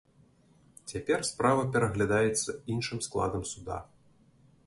Цяпер справа пераглядаецца іншым складам суда.